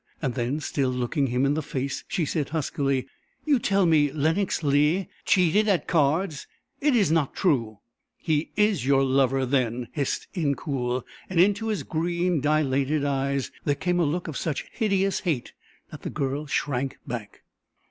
Then, still looking him in the face, she said huskily, "You tell me Lenox Leigh cheated at cards? It is not true!" "He is your lover, then!" hissed Incoul, and into his green, dilated eyes there came a look of such hideous hate that the girl shrank back.